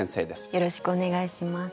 よろしくお願いします。